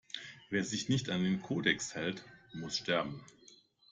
Wer sich nicht an den Kodex hält, muss sterben!